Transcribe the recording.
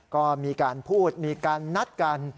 ก็มีการพูดมีการนัดกัน